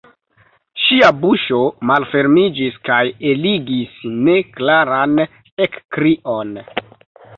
Ŝia buŝo malfermiĝis kaj eligis neklaran ekkrion.